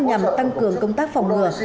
nhằm tăng cường công tác phòng ngừa